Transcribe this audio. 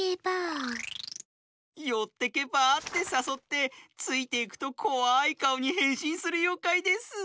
「よってけばあ？」ってさそってついていくとこわいかおにへんしんするようかいです。